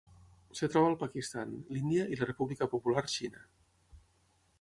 Es troba al Pakistan, l'Índia i la República Popular Xina.